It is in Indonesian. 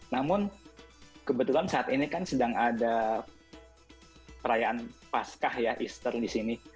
namun kebetulan saat ini kan sedang ada perayaan pascah ya easter di sini